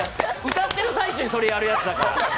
歌っている最中に、それやるやつだから。